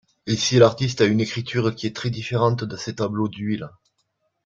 Ici l'artiste a une écriture qui est très différente de ses tableaux d'huile.